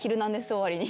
終わりに。